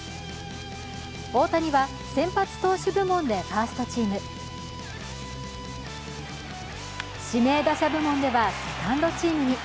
大谷は先発投手部門でファーストチーム指名打者部門ではセカンドチームに。